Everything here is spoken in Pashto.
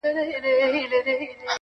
زړه دی له ښکلو هم توريږي، نوی غم لټوي